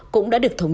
cũng đã được tham gia